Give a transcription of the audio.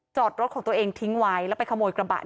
จอดรถของตัวเองทิ้งไว้แล้วไปขโมยกระบะ